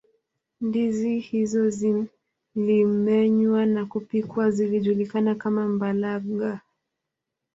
ndizi hizo zilimenywa na kupikwa zilijulikana kama mbalaga